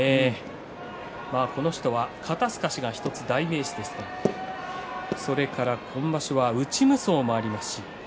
この人は肩すかしが１つ代名詞ですが今場所は内無双もあります。